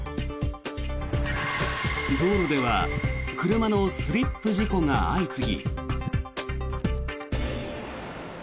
道路では車のスリップ事故が相次ぎ。